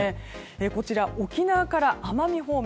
こちら、沖縄から奄美方面。